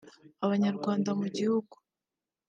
abanyarwanda mu gihugu